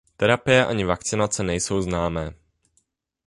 Terapie ani vakcinace nejsou známé.